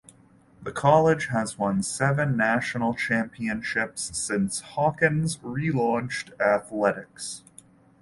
The college has won seven national championships since Hawkins relaunched athletics.